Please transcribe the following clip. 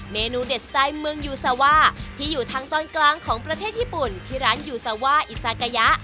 เมนูเด็ดสไตล์เมืองยูซาว่าที่อยู่ทางตอนกลางของประเทศญี่ปุ่นที่ร้านยูซาว่าอิซากายะ